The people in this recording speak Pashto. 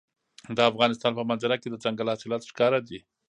د افغانستان په منظره کې دځنګل حاصلات ښکاره دي.